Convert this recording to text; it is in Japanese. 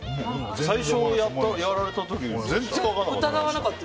最初やられた時に全然分かんなかった。